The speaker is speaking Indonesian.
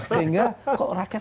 sehingga kok rakyat